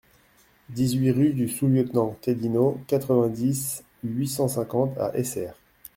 dix-huit rue du Sous Lieutenant Cadinot, quatre-vingt-dix, huit cent cinquante à Essert